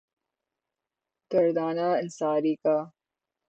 دردانہ انصاری کا